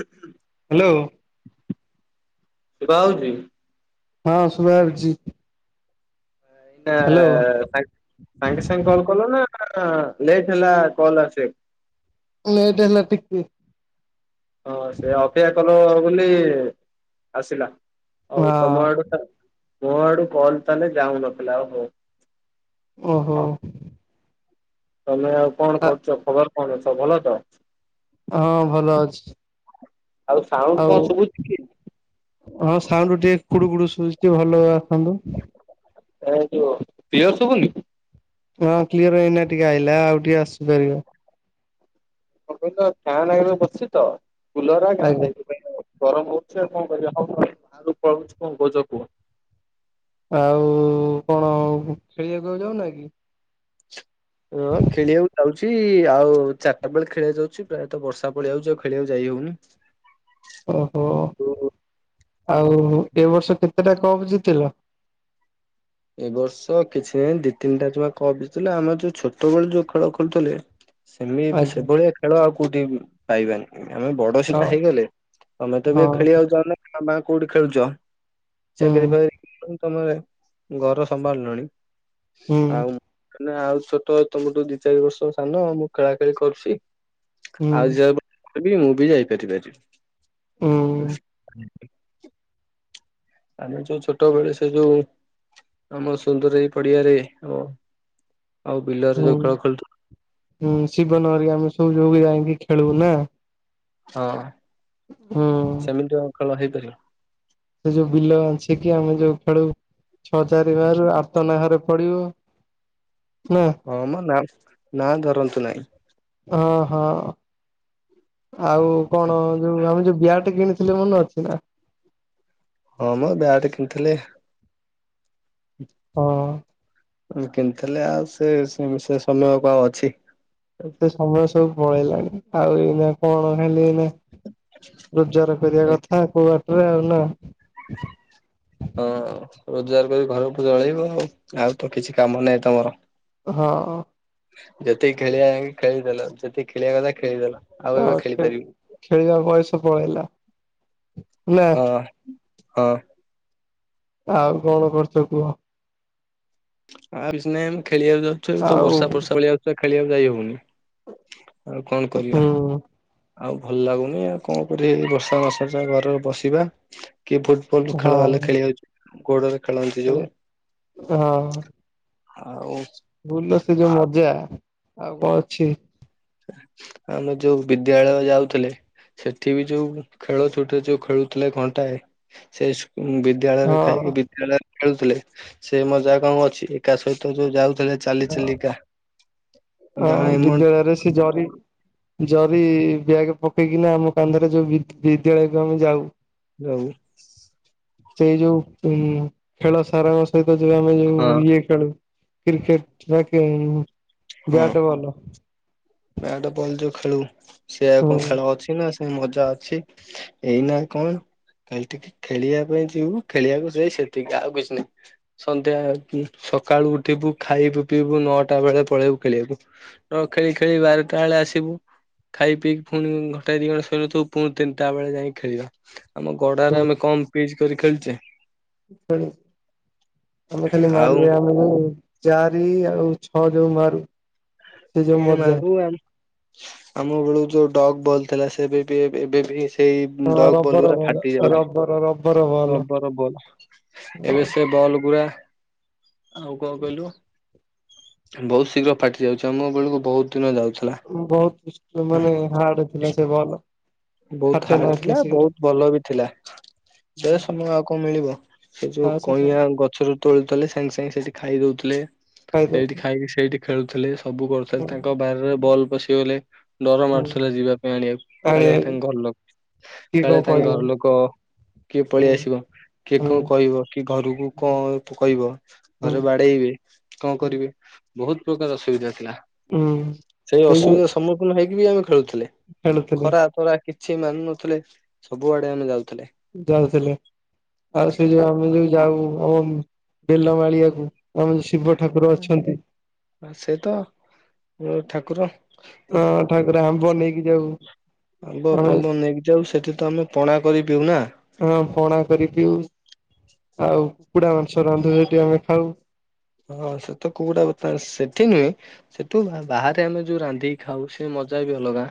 ହଁ ହ୍ୟାଲୋ। ସୁବା ହଉଚି? ହଁ ସୁଭା ଯାଉଚି। ଏଟା ସାଙ୍ଗେ ସାଙ୍ଗେ କଲ୍ କଲ ନା ଲେଟ୍ ହେଲା କଲ ଆସିବାକୁ? ଲେଟ ହେଲା ଟିକେ ହଁ ସେ ଅପେୟା କଲେ ବୋଲି ଆସିଲା ଆଉ ହଁ ତମ ଆଡୁ ମୋ ଆଡୁ କଲ୍ ତାହେଲେ ଯାଉନଥିଲା ଆଉ ହଉ ଓହୋ। ହ ତମେ ଆଉ କଣ କରୁଚ ଖବର କଣ ସବୁ ଭଲ ତ? ହଁ ଭଲ ଅଛି। ଆଉ ସାଉଣ୍ଡ ଆଉ କଣ ସବୁଚି କି? ହଁ ସାଉଣ୍ଡ ଟିକେ କୁଡୁ କୁଡୁ ଶୁବୁଚି ଟିକେ ଭଲ ଆ ଆସନ୍ତୁ। ଏ ଯୋଉ କ୍ଳିଅର ସୁବୁନି? ହଁ କ୍ଲିୟର ଏଇନା ଟିକେ ଆଇିଲା ଆଉ ଟିକେ ଆସି ପାରିବ କ କଇଲ ଫ୍ୟାନ ଆଗରେ ବସିଚି ତ କୁଲର ଆଗରେ ଆଜ୍ଞା। ସେଇଥିପାଇଁ। ଗରମ ହଉଛି ଆଉ କଣ କରିବା [unintelligible] କଣ କହୁଚ କୁହ। ଆଉ କଣ ଖେଳିବାକୁ ଆଉ ଯାଉନା କି? ହଁ ଖେଳିବାକୁ ଯାଉଚି ଆଉ ଚାରିଟା ବେଳେ ଖେଳଆ ଯାଉଚି ପ୍ରାୟତଃ ବର୍ଷା ପଳେଇ ଆଉଚି ଆଉ ଖେଳିବାକୁ ଯାଇ ହଉନି। ଓହୋ ଓ ଆଉ ଏ ବର୍ଷ କେତେଟା କପ୍ ଜିତିଲ? ଏ ବର୍ଷ କିଛି ନାହିଁ ଦି ତିନିଟା ଜମା କପ୍ ଜିତିଲୁ ଆମର ଯୋଉ ଛୋଟବେଳେ ଯୋଉ ଖେଳ ଖେଳୁଥିଲେ ସେମି ଏବେ ଆଜ୍ଞା ସେଭଳିଆ ଖେଳ ଆଉ କୋଉଠି ବି ପାଇବାନି। ଆମେ ବଡ ହଁ। ସିନା ହେଇଗଲେ ତମେ ତ ବି ହଁ ଖେଳିିବାକୁ ଯାଉନ ହ ମା କୋଉଠି ଖେଳୁଚ ହୁଁ ଚାକିରି ବାକିରି ତମ ଘର ସମ୍ଭାଳିଲଣି ହୁଁ ଆଉ ମାନେ ଆଉ ଛୋଟ ତମଠୁ ଦି ଚାରି ବର୍ଷ ସାନ ମୁଁ ଖେଳା ଖେଳି କରୁଚି। ହୁଁ ଆଉ [unintelligible] ପାରିବି ମୁଁ ବି ଯାଇପାରିବି। ହୁଁ। ଆମେ ଯୋଉ ଛୋଟ ବେଳେ ସେ ଯୋଉ ଆମ ସୁନ୍ଦର ଏଇ ପଡିଆରେ ଆଉ ବିଲରେ ହୁଁ ଯୋଉ ଖେଳ ଖେଳୁ ହୁଁ ଶିବନ ହରିକା ଆମେ ସବୁ ଯୋଉ ଯାଇକି ଖେଳୁ ନା? ହଁ। ହୁଁ। ସେମିତି ଆଉ ଖେଳ ହେଇପାରିବ। ସେ ଯୋଉ ବିଲ ବାଞ୍ଚିକି ଆମେ ଯୋଉ ଖେଳୁ ଛଅ ଚାରି ବାରୁ ଆରତ ନା ଘର ପଢିବ ନା। ହଁ ମ ନା ନାଁ ଧରନ୍ତୁ ନାହିଁ। ହଁ ହଁ ଆଉ କଣ ଯୋଉ ଆମେ ଯୋଉ ବିଆଟେ କିଣି ଥିଲେ ମନେ ଅଛି ନା? ହଁ ମ ବ୍ୟାଗ ଟେ କିଣିଥିଲେ ହୁଁ ହଁ। କିଣିଥିଲେ ଆଉ ସେ ସେ ସମୟ ଆଉ କଣ ଅଛି। ସେ ସମୟ ସବୁ ପଳେଇଲାଣି ଆଉ ଏଇନା କଣ ଖାଲି ଏଇନା ରୋଜଗାର କରିବା କଥା କୋଉ ବାଟରେ ଆଉ। ନା? ହଁ ରୋଜଗାର କରି ଘରକୁ ଚଳେଇବ ଆଉ ଆଉ ତ କିଛି କାମ ନାହିଁ ତମର। ହଁ। ଯେତକି ଖେଳିବାଆଙ୍କେ ଖେଳିଦେଲ ଯେତେ ଖେଳିବା କଥା ଖେଳିଦେଲ। ଆଉ ଅ ଏବେ ଖେଳି ଖ ପାରିବି ଖେଳିବା ବୟସ ପଳେଇଲା। ନା ହଁ ହଁ ଆଉ କଣ କର୍ଚ କୁହ? ଆଉକିଛିନାଇ ଆମେ ଖେଳିବାକୁ ଯାଉଛୁ ତ ଆଉ ବର୍ଷା ବର୍ଷା ପଳିଆଉଛି ଆଉ ଖେଳିବାକୁ ଯାଇ ହଉନି। ଆଉ କଣ ହୁଁ କରିବା। ଆଉ ଭଲ୍ ଲାଗୁନି ଆଉ କଣ କରଇ ଏଇ ବର୍ଷା ମାସା ଟା ଘରେ ବସିବା କିଏ ଫଲ୍ ହଁ ଖେଳ ବାହେଲେ ଖେଳି ଯାଉଛି ଗୋଡରେ ଖେଳନ୍ତି ଖେଳି ଯୋଉ ହଁ ଆଉ ଭୁଲ ସେ ଯୋଉ ମଜା। ଆଉ କଣ ଅଛି। ଆମେ ଯୋଉ ବିଦ୍ୟାଳୟ ଯାଉଥିଲେ ସେଠି ବି ଯୋଉ ଖେଳ ଛୁଟିରେ ଯୋଉ ଖେଳୁଥିଲେ ଘଣ୍ଟାଏ ସେ ସ୍କୁ ବି ହଁ ବିଦ୍ୟାଳୟରେ ଖାଇକି ବିଦ୍ୟାଳୟରେ ଖେଳୁଥିଲେ ସେ ମଜା ଆଉ କଣ ଅଛି ଏକା ସହିତ ଯୋଉ ଯାଉଥିଲେ ଚାଲି ହଁ ଚାଲିକା ଅ ଗାଁ ଏମୁନ୍ ବିଦ୍ୟାଳୟରେ ସେ ଜରି ଜରି ବ୍ୟାଗ ପକେଇକିନା ଆମ କାନ୍ଧରେ ଯୋଉ ବି-ବିଦ୍ୟାଳୟକୁ ଆମେ ଯାଉ ରଉ ସେଇ ଯୋଉ ଉ ଖେଳ ସାର ସ ସହିତ ଯଉ ଆମେ ଯୋଉ ହଁ ଇଏ ଖେଳୁ କ୍ରିକେଟ୍ ଯାହାକି ବ୍ୟାଟ୍ ବଲ। ନା ବ୍ୟାଟ୍ ବଲ୍ ଯୋଉ ଖେଳୁ ସେ ଆ ହୁଁ କଣ ଖେଳ ଅଛି ନା ସେ ମଜା ଅଛି। ଏଇ ନା କଣ କାଲି ଟିକେ ଖେଳିବା ପାଇଁ ଯିବୁ ଖେଳିବାକୁ ଯ ସେତିକି ଆଉ କିଛି ନାହିଁ। ସନ୍ଧ୍ୟା ସକାଳୁ ଉଠିବୁ ଖାଇବୁ ପିଇବୁ ନଅଟା ବେଳେ ପଳେଇବୁ ଖେଳିବାକୁ। ର ଖେଳି ଖେଳି ବାରଟା ବେଳେ ଆସିବୁ ଖାଇ ପିଇକି ପୁଣି ଘଣ୍ଟାଏ ଦି ଘଣ୍ଟା ଶୋଇନଥିବୁ ପୁଣି ତିନଟା ବେଳେ ଯାଇକି ଖେଳିବୁ। ଆମ ଗଡ଼ାରେ ହୁଁ ଆମେ କମ୍ ପିଜ୍ କରି ଖେଳିଛେ ଆମେ ଖାଲି ଆଉ ମାରିବା ଆମେ ନ ଚାରି ଆଉ ଛଅ ଯୋଉ ମାରୁ। ସେ ଏ ଯୋଉ ମଜା ମାରୁ ଆମ ବେଳୁ ଯୋଉ ଡଗ୍ ବଲ୍ ଥିଲା ସେବେ ବି ଏବେ ବି ସେଇ ହଁ ଡଗ୍ ବଲ୍ ରବର ଉରା ବଲ ଫାଟି ଯାଉଛି rubber rubber ball rubber ball ଏବେ ସେ ବଲ୍ ଗୁରା ଆଉ କଣ କହିଲୁ ବହୁତ ଶୀଘ୍ର ଫାଟି ଯାଉଛି ଆମ ବେଳକୁ ବହୁତ୍ ଦିନ ଯାଉଥିଲା। ବହୁତ ମାନେ ହାର୍ଡ ଥିଲା ସେ ବଲ୍ ବହୁତ ହାର୍ଡ ଥିଲା ବହୁତି ଭଲ ବି ଥିଲା। ସେ ହୁଁ ସମୟ ଆଉ କଣ ମିଳିବ? ସେ ଯୋଉ ଆଉ ସବୁ କଇଁଆ ଗ ଗଛରୁ ତୋଳୁଥିଲେ। ସାଙ୍ଗେ ସାଙ୍ଗେ ସେଇଠି ଖାଇଦଉଥିଲେ ସେଇଠି ଖାଇଦଉଥିଲେ। ଖାଇକି ସେଇଠି ଖେଳୁଥିଲେ। ସବୁ କରୁଥିଲେ ତାଙ୍କ ବାରିରେ ବଲ୍ ପଶିଗଲେ ଡର ମାରୁୁଥିଲା ଯିବା ପାଇଁ ଆଣିବାକୁ କାଳେ ଆଣିବା ତାଙ୍କ ଘର ଲୋକ। କିଏ କଣ କାଳେ ତାଙ୍କ କହିବ ଘର ଲୋକ କିଏ ହୁଁ ପଳେଇ ଆସିବ? କିଏ ହୁଁ କଣ କହିବ? କିଏ ଘରକୁ କଣ କହିବ? ହୁଁ ଘରେ ବାଡେଇବେ। କଣ କରିବି ବହୁତ ପ୍ରକାର ଅସୁବିଧା ଥିଲା। ହୁଁ ସେଇ ଅସୁବିଧା ସମ୍ମୁଖିନ ହେଇକି ବି ଆମେ ଖେଳୁଥିଲେ। ଖେଳୁଥିଲି ଖରା ତରା କିଛି ମାନୁ ନଥିଲେ ସବୁ ଆଡ଼େ ଆମେ ଯାଉଥିଲେ। ଯାଉଥିଲେ ଆଉ ସେ ଯୋଉ ଆମେ ଯୋଉ ଯାଉ ଆମ ବେଲମାଳିଆକୁ। ଆଉ ଶିବ ଠାକୁର ଅଛନ୍ତି। ଆ ସେ ତ ଠାକୁର। ହଁ ଠାକୁର ଆମ୍ବ ନେଇକି ଯାଉ। ଆମ୍ୱ ଆମେ ପାମ୍ବ ନେଇକି ଯାଉ ସେଠି ତ ଆମେ ପଣା କରି ପିଉ ନା। ହଁ ପଣା କରି ପିଉ। ଆଉ କୁକୁଡା ମାଂସ ରାନ୍ଧୁ ସେଇଟି ଆମେ ଖାଉ। ହଁ ସେ ତ କୋଉଡା ବତାନ ସେଠି ନୁହେଁ। ସେଠୁ ବାହାରେ ଆମେ ଯୋଉ ରାନ୍ଧିକି ଖାଉ ସେ ମଜା ବି ଅଲଗା।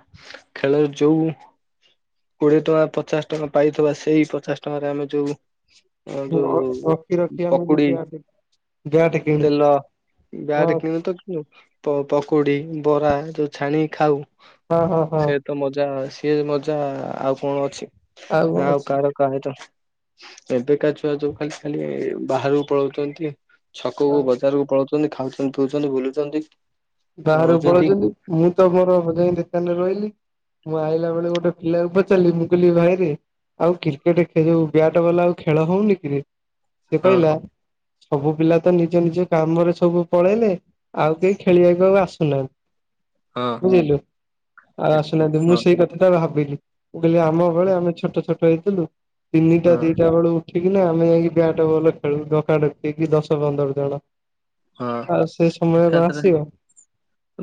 ଖେଳରେ ଯୋଉ କୋଡିଏ ଟଙ୍କା ପଚାଶ ଟଙ୍କା ପାଇଥିବା ସେଇ ପଚାଶ ଟଙ୍କାରେ ଆମେ ଯୋଉ ଆ ଯୋଉ ରଖି ରଖି ଆମେ ଯୋଉ ପକୁଡି। ବ୍ୟାଟ ବ୍ୟାଟ କିଣୁ ତେଲ ହଁ ବ୍ୟାଟ କିଣୁ ତ ପ-ପକୁଡ଼ି, ବରା ଯୋଉ ଛାଣିକି ଖାଉ। ହଁ ହଁ ହଁ। ସେ ତ ମଜା ସିଏ ମଜା ଆଉ କଣ ଅଛି। କଣ ଆଉ କାହାର ଅଛି। କାହେ ତ ଏବେକା ଛୁଆ ଯୋଉ ଖାଲି ଖାଲି ବାହାରକୁ ପଳଉଛନ୍ତି। ଛକକୁ ବଜାରକୁ ପଳଉଛନ୍ତି ଖାଉଛନ୍ତି ପିଉଛନ୍ତି ବୁଲୁଛନ୍ତି। ବାହାରୁକୁ ରହୁଛନ୍ତି। ପଳଉଛନ୍ତି ମୁଁ ତ ମୋର ହ ଯାାଇ ଦୋକାନରେ ରହିଲି। ମୁଁ ଆଇଲା ବେଳେ ଗୋଟେ ପିଲାକୁ ପଚାରିଲି ମୁଁ କହିଲିି ଭାଇରେ ଆଉ କ୍ରିକେଟ ଏ ଯୋଉ ବ୍ୟାଟ୍ ବଲ ଆଉ ଖେଳ ହଉନି କିରେ? ସେ ହଁ କହିଲା ସବୁ ପିଲା ତ ନିଜ ନିଜ କାମରେ ସବୁ ପଳେଇଲେ। ଆଉ କେହି ଖେଳିିବାକୁ ଆଉ ଆସୁନାହାନ୍ତି। ହଁ ବୁଝିଲୁ ଆ ଆସୁନାହାନ୍ତି ମୁଁ ହଁ ସେଇ କଥାଟା ଭାବିଲି। ମୁ କହିଲି ଆମ ବେଳେ ଆମେ ଛୋଟ ଛୋଟ ହେଇଥିଲୁ ତିନିଟା ହଁ ଦିଟା ବେଳୁ ଉଠିକିନା ଆମେ ଯାଇକି ବ୍ୟାଟ ବଲ୍ ଖେଳୁ ଡକାଡକି ହେଇକି ଦଶ ପନ୍ଦର ଜଣ। ହଁ ଆଉ ସେ ସମୟ କଣ ଏକାଥରେ। ଆସିବ?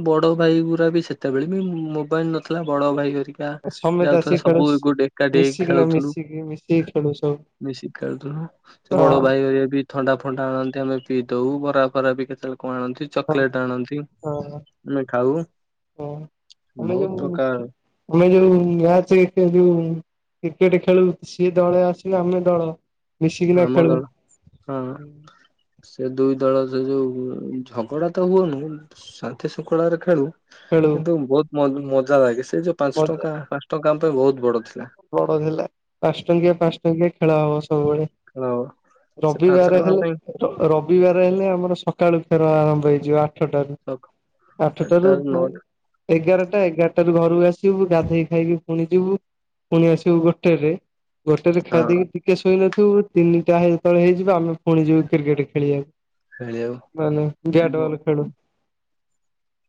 ବଡ ଭାଇ ଗୁରା ବି ସେତେବେଳେ ବି ମୋବାଇଲ ନଥିଲା ବଡ ଭାଇ ଘରୀ ଯା ସମେତ ଯାଉଥିବା ଆସିକି ଖେଳୁ। ସବୁ ଗୋ ଏକାଠି ହେଇ ମିଶିକି ନା ଖେଳୁଥିଲୁ। ମିଶିକି ମିଶିକି ଖେଳୁ ସବୁ ମିଶିକି ଖେଳୁଥିଲୁ ସେ ବଡ ହଁ ଭାଇ ଘରୀକା ବି। ଥଣ୍ଡା ଫଣ୍ଡା ଆଣନ୍ତି ଆମେ ପିଇଦଉ। ବରା ଫରା ବି କେତେବେଳେ କଣ ଆଣନ୍ତି। ହଁ ଚକଲେଟ୍ ଆଣନ୍ତି ହଁ। ଆମେ ଖାଉ ହଁ ଆମେ ବହୁତ ଯୋଉ ପ୍ରକାର। ଆମେ ଜୋଉ ମ୍ୟାଚ ସେ ଜୋଉ। କ୍ରିକେଟ ଖେଳୁ ସିଏ ଦଳେ ଆସିବେ ଆମେ ଦଳ ମିଶିକିନା ଆମ ଖେଳୁ। ଦଳ ହଁ। ସେ ଦୁଇ ଦଳ ସେ ଯୋଉ ଝଗଡା ତ ହୁଅନି ଶାନ୍ତି ଶୃଙ୍ଖଳାରେ ଖେଳୁ। ଖେଳୁ କିନ୍ତୁ ବହୁତ ମ ମଜା ଲାଗେ ସେ ଯୋଉ ପାଞ୍ଚ ମଜା ଟଙ୍କା ପାଞ୍ଚ ଟଙ୍କା ଆମ ପାଇଁ ବହୁତ ବଡ ଥିଲା। ବଡ ଥିଲା ପାଞ୍ଚ ଟଙ୍କିଆ ପାଞ୍ଚ ଟଙ୍କିଆ ଖେଳ ହବ ସବୁବେଳେ। ଖେଳ। ସେ ପାଞ୍ଚ ରବିବାରେ ଟଙ୍କା ହେଲେ ପାଇଁ ର ରବିବାର ହେଲେ ଆମର ସକାଳୁ ଖେର ଆରମ୍ଭ ହେଇଯିବ ଆଠଟାରୁ। ଆଠଟାରୁ ସକାଳ ଉପରେ। ନଅଟା ଏଗାରଟା ଏଗାରଟାରୁ ଘରୁ ଆସିବୁ ଗାଧେଇ ଖାଇକି ପୁଣି ଯିବୁ। ପୁଣି ଆସିବୁ ଗୋଟେ ରେ ଗୋଟେରେ ହଁ ଖାଇଦେଇକି। ଟିକେ ଶୋଇନଥିବୁ ତିନିଟା ହେଇ ଯେତେବେଳେ ହେଇଯିବ ଆମେ ପୁଣି ଯିବୁ କ୍ରିକେଟ ଖେଳିବାକୁ। ମାନେ ବ୍ୟାଟ ବ ବଲ ଖେଳୁ।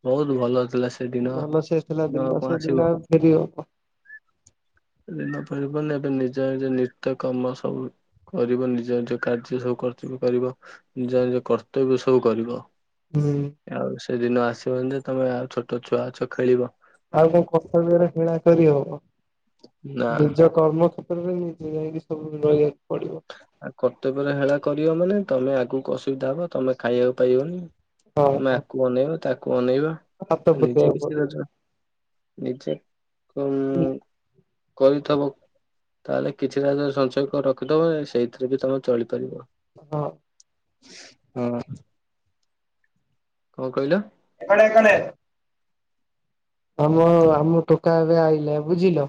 ବହୁତ ଭଲ ଥିଲା ସେଦିନ ସେଦିନ କଣ ଆସିବ। ଫେରିହବ। ସେ ଦିନ ପରିବନି ଏବେ ନିଜ ନିଜ ନିତ୍ୟ କର୍ମ ସବୁ କରିବ ନିଜ ନିଜ କାର୍ଯ୍ୟ ସବୁ କରଥିବ କରିବ ନିଜ ନିଜ କର୍ତ୍ତବ୍ୟ ସବୁ କରିବ। ହୁଁ। ଆଉ ସେଦିନ ଆସିବନି ଯେ ତମେ ଆଉ ଛୋଟ ଛୁଆ ଅଛ ଖେଳିବ। ଆଉ କୋଉ କର୍ତବ୍ୟରେ ହେଳା କରି ହବ। ନା। ନିଜ କର୍ମ କ୍ଷେତ୍ରରେ ନିଜେ ଯାଇକି ସବୁ ରହିବାକୁ ପଡିବ। ଆ କର୍ତ୍ତବ୍ୟରେ ହେଳା କରିବ ମାନେ ତମେ ଆଗକୁ ଅସୁବିଧା ହବ ତମେ ଖାଇବାକୁ ପାଇବନି। ହଁ ତମେ ହଁ। ଆକୁ ଅନେଇବ ତାକୁ ଅନେଇବ ହାତ ନିଜେ ପତେଇବାକୁ କିଛି ପଡିବ ରୋଜ ନିଜେ କ କରିଥବ ତାହେଲେ କିଛି ରାଜ୍ୟରେ ସଞ୍ଚୟ କ ର କି ତମେ ସେଇଥିରେ ବି ତମେ ଚଳିପାରିବ। ହଁ। ହଁ। କଣ କହିଲ? [unintelligible] ଆମ ଆମ ଟୋକା ଏବେ ଆଇଲେ ବୁଝିଲ।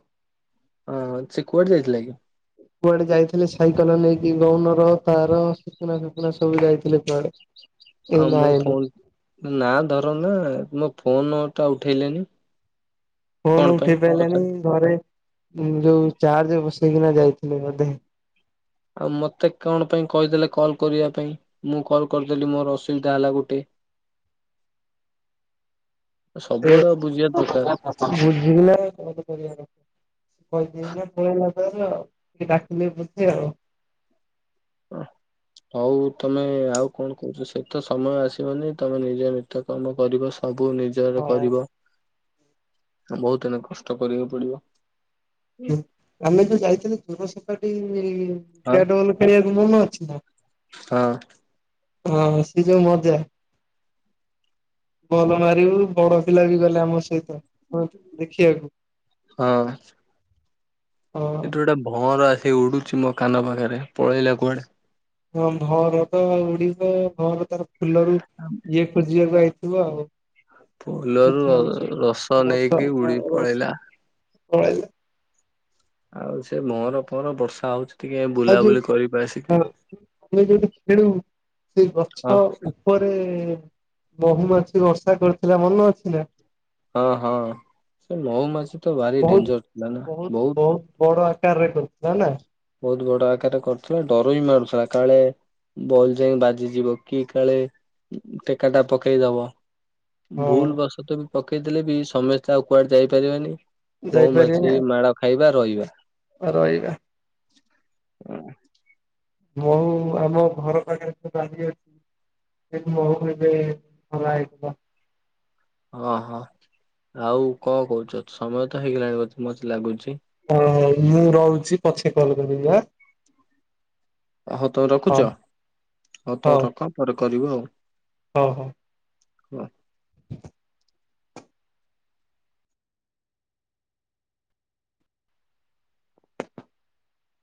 ହଁ ସେ କୁଆଡ଼େ ଯାଇଥିଲା କି? କୁଆଡେ଼ ଯାଇଥିଲେ ସାଇକେଲ ନେଇକି ଗଉନର ତାର ଶକୁନା ଫୁକୁନା ସବୁ ଯାଇଥିଲେ କୁଆଡେ଼। ଆଉ ମୋ ଫୋନ ନା ଧର ନା ମୋ ଫୋନ ଟା ଉଠେଇ ଫୋନ ଉଠେଇ ପାରିଲାନୀ ଘରେ ଯୋଉ ଚାର୍ଜ ବସେଇକିନା ଯାଇଥିଲି ବୋଧେ। ଆଉ ମତେ କଣ ପାଇଁ କହିଦେଲେ କଲ କରିବା ପାଇଁ? ମୁଁ କଲ୍ କରିଦେଲିି ମୋର ଅସୁବିଧା ହେଲା ଗୋଟେ। ସେ ସବୁଆଡ଼େ ବୁଝିବା ଦରକାର। [unintelligible] କହିଦେଇକି ନା ପଳେଇଲା ତାର କିଏ ଡାକୁଛି ଯିବି ଆଉ। ହଉ ତମେ ଆଉ କଣ କହୁଛ ସେ ତ ସମୟ ଆସିବନି ତମେ ନିଜେ ନିତ୍ୟ କାମ କରିବ ସ ସବୁ ନିଜର ହଁ କରିବ ବହୁତ ଏଇନା କଷ୍ଟ କରିବାକୁ ପଡିବ। ହୁଁ ଆମେ ଯୋଉ ଯାଇଥିଲେୁ ଚୁର ସପାଟି ହଁ ବ୍ୟାଟ୍ ବଲ୍ ଖେଳିବାକୁ ମନେ ଅଛି ନା। ହଁ। ହଁ ହଁ ସେ ଯୋଉ ମଜା। ଭଲ ମାରିବୁ ବଡ଼ ପିଲା ବି ଗଲେ ଆମ ସହିତ ଦେଖିବାକୁ। ହଁ। ହଁ। ଏଠି ଗୋଟେ ଭଁଅର ଆସିକି ଉଡୁଛି ମୋ କାନ ପାଖରେ ପଳେଇଲା କୁଆଡେ଼। ହ ଭାଅଁର ତ ଉଡ଼ିବ ଭାଅଁର ତାର ଫୁଲରୁ ଇଏ ଖୋଜିବାକୁ ଆଇ ଆଉ ଫୁଲରୁ ମିଠା ଅଂଶ ଟା ରସ ରସ ନେଇକି ଉଡି ରସ ପଳେଇଲା। [unintelligible] ଆଉ ସେ ଭାଅଁର ଫଅଁର ବର୍ଷା ହଉଛି। ଟିକେ ଆଉ ବୁଲାବୁଲି କରିବା ଆସିକି ଯୋଉ ଆମେ ଯୋଉଠି ଖେଳୁ ସେଇ ହଁ ଗଛ ଉପରେ ବହୁୂମାଛି ବର୍ଷା କରିଥିଲା ମନେ ଅଛିନା। ହଁ ହଁ ସେ ମହୁମାଛି ତ ଭାରି ବହୁତ ଡେଞ୍ଜର ଥିଲା ନା ବହୁତ ବଡ ଆକାରରେ କରୁଥିଲା ନା। ବହୁତ ବଡ଼ ଆକାରରେ କରୁଥିଲା ଡର ବି ମାରୁୁଥିଲା କାଳେ ବଲ ଯାଇ ବାଜିଯିବ କି କାଳେ ଟେକା ଟା ପକେଇଦବ। ହଁ ଭୁଲ ବଶତ ବି ପକେଇ ଦେଲେ ବି ସମସ୍ତେ ଆଉ କୁଆଡ଼େ ଯାଇପାରିବେନି। ମଉ ମାଛି ମାଳ ଖାଇବା ରହିବା। ହ ରହିବା। ହୁ। ମହୁ ଆମ ଘର ପାଖରେ [unintelligible] [unintelligible] ହଁ ହଁ ଆଉ କଣ କହୁଛ ସମୟ ତ ହେଇଗଲାଣି ବୋଧେ ମତେ ଲାଗୁଛି? ହଁ ହଁ ମୁଁ ରହୁଛି ପଛେ କଲ୍ କରିବି ଆଁ। ହଉ ତମେ ହଉ ରଖୁଛ ହଉ ତ ରଖ ପରେ କରିବ ଆଉ। ହଁ ହଁ। [inaudible]